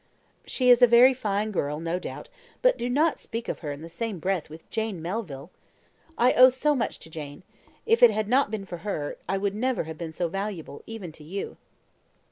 "She is a very fine girl, no doubt, but do not speak of her in the same breath with Jane Melville. I owe so much to Jane: if it had not been for her, I would never have been so valuable even to you."